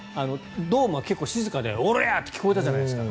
ドームは結構静かでおりゃあ！って聞こえたじゃないですか。